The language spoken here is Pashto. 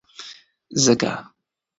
ځکه